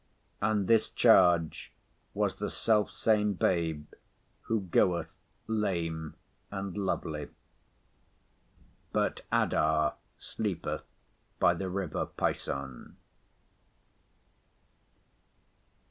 And this charge was the self same Babe, who goeth lame and lovely—but Adah sleepeth by the river Pison.